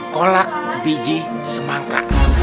kolak biji semangka